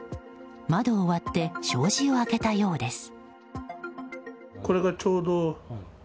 窓を割って障子を開けたようです。